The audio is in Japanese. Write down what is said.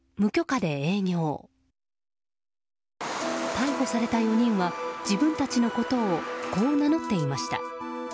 逮捕された４人は自分たちのことをこう名乗っていました。